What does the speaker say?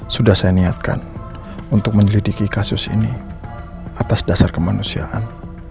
sudah saya niatkan untuk menyelidiki kasus ini atas dasar kemanusiaan